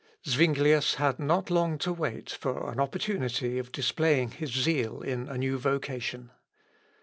] Zuinglius had not long to wait for an opportunity of displaying his zeal in a new vocation.